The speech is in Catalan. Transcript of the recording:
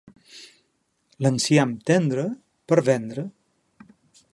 L'enciam tendre, per vendre.